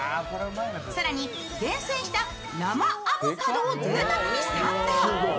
更に、厳選した生アボカドをぜいたくにサンド。